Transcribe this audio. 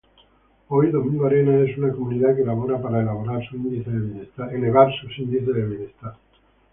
Hoy Domingo Arenas es una comunidad que labora para elevar sus índices de bienestar.